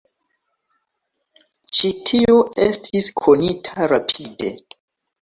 Ĉi tiu estis konita rapide.